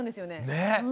ねえ！